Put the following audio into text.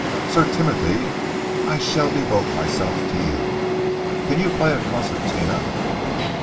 Sir Timothy, I shall devote myself to you. Can you play a concertina?"